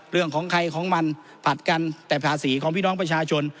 เรื่องของใครของมันผลัดกันแต่ภาษีของพี่น้องประชาชน